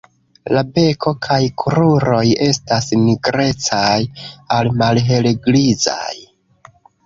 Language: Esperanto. La beko kaj kruroj estas nigrecaj al malhelgrizaj.